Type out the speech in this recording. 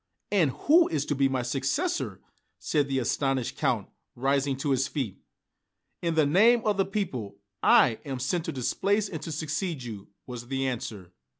"And who is to be my successor?" asked the astonished Count, rising to his feet. "In the name of the people, I am sent to displace and to succeed you," was the answer.